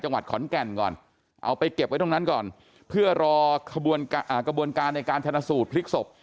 จังหวัดขอนแก่นก่อนเอาไปเก็บไว้ตรงนั้นก่อนเพื่อรอขบวนกระบวนการในการชนะสูตรพลิกศพ